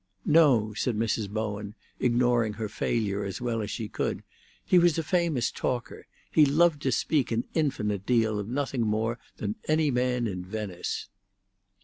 "No," said Mrs. Bowen, ignoring her failure as well as she could; "he was a famous talker; he loved to speak an infinite deal of nothing more than any man in Venice."